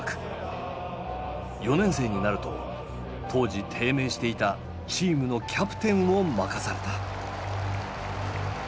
４年生になると当時低迷していたチームのキャプテンを任された。